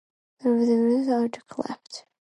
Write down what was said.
Davies on the book series "An Airline and its Aircraft".